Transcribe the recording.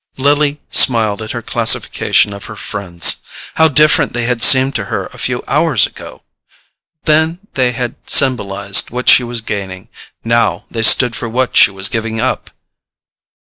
Lily smiled at her classification of her friends. How different they had seemed to her a few hours ago! Then they had symbolized what she was gaining, now they stood for what she was giving up.